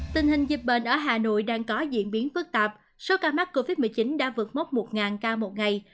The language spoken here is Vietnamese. tình hình dịch bệnh ở hà nội đang có diễn biến phức tạp số ca mắc covid một mươi chín đã vượt mốc một ca một ngày